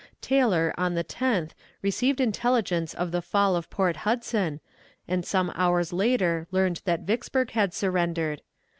Taylor on the 10th received intelligence of the fall of Port Hudson, and some hours later learned that Vicksburg had surrendered.